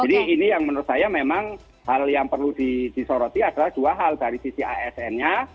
jadi ini yang menurut saya memang hal yang perlu disoroti adalah dua hal dari sisi asn nya